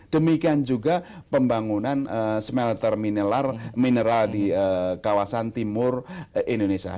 demikian juga pembangunan smelter mineral di kawasan timur indonesia